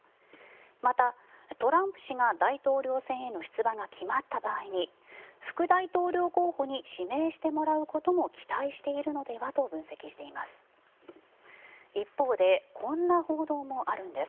また、トランプ氏が大統領選への出馬が決まった場合に副大統領候補に指名してもらうことも期待しているのではと分析しています。